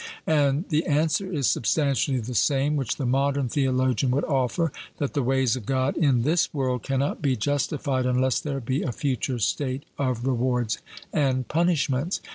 And the answer is substantially the same which the modern theologian would offer: that the ways of God in this world cannot be justified unless there be a future state of rewards and punishments.